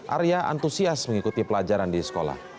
arya antusias mengikuti pelajaran di sekolah